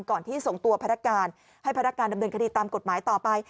ที่ส่งตัวพนักการให้พนักการดำเนินคดีตามกฎหมายต่อไป